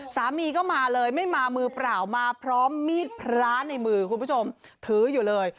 สามีก็มาเลยไม่มามือเปล่ามาพร้อมมีดพระในมือคุณผู้ชมถืออยู่เลย